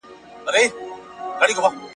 په ځینو قامونو کي پاچا «حق شب زفاف» درلودی